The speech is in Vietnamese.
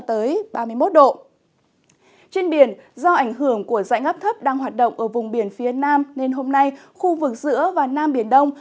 trên biển do ảnh hưởng của dạnh áp thấp đang hoạt động ở vùng biển phía nam nên hôm nay khu vực giữa và nam biển đông